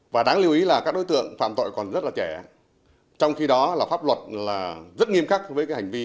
và đáng lưu ý là các đối tượng phạm tội còn rất là trẻ trong khi đó pháp luật rất nghiêm khắc với hành vi phạm tội này